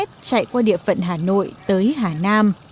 suốt chiều dài bảy mươi sáu km chạy qua địa phận hà nội tới hà nam